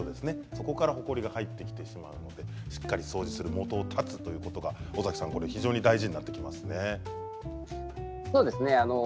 そこから、ほこりが入ってきてしまうのでしっかり掃除をして元を絶つのが尾崎さん大事になってきますね。